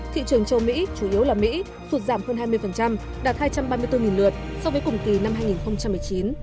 thị trường châu mỹ chủ yếu là mỹ sụt giảm hơn hai mươi đạt hai trăm ba mươi bốn lượt so với cùng kỳ năm hai nghìn một mươi chín